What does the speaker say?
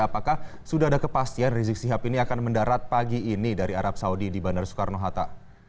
apakah sudah ada kepastian rizik sihab ini akan mendarat pagi ini dari arab saudi di bandara soekarno hatta